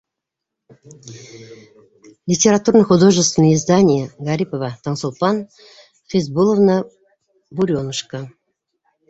Литературно-художественное издание ГАРИПОВА Тансулпан Хизбулловна БУРЕНУШКА